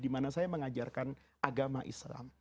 dimana saya mengajarkan agama islam